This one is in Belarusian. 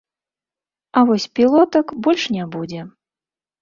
А вось пілотак больш не будзе.